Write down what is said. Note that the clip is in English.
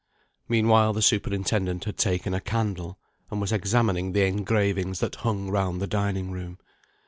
Meanwhile, the superintendent had taken a candle, and was examining the engravings that hung round the dining room.